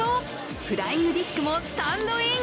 フライングディスクもスタンドイン。